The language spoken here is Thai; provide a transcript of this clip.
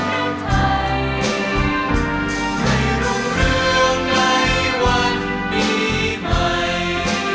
ขอบความจากฝ่าให้บรรดาดวงคันสุขสิทธิ์